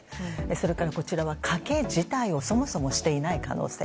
それから賭け自体をそもそもしていない可能性。